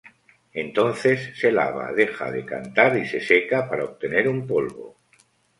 Entonces se lava, deja decantar y se seca para obtener un polvo.